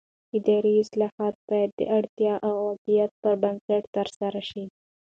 اداري اصلاحات باید د اړتیا او واقعیت پر بنسټ ترسره شي